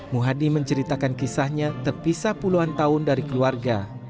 muhadi menceritakan kisahnya terpisah puluhan tahun dari keluarga